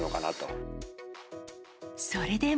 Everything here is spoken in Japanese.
それでも。